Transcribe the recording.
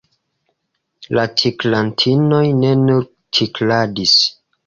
La tiklantinoj ne nur tikladis.